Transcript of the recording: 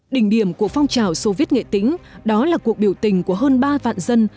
đỉnh điểm của phong trào soviet nghệ tĩnh đó là cuộc biểu tình của hơn ba vạn dân